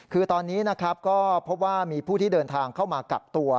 คือตอนนี้นะครับก็พบว่ามีผู้ที่เดินทางเข้ามากักตัว